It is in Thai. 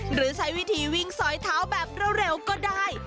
หรือใช้วิธีวิ่งสอยเท้าแบบเร็วก็ได้